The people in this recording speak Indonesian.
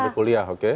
sampai kuliah oke